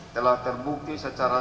telah terbukti secara